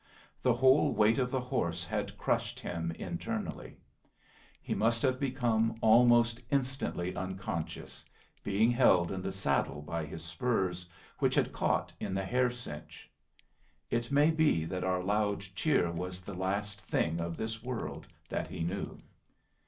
The whole weight of the horse had crushed him internally. He must have become almost instantly unconscious, being held in the saddle by his spurs, which had caught in the hair cinch; it may be that our loud cheer was the last thing of this world that he knew.